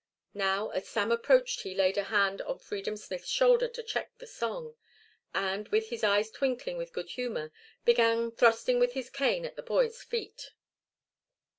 Now as Sam approached he laid a hand on Freedom Smith's shoulder to check the song, and, with his eyes twinkling with good humour, began thrusting with his cane at the boy's feet.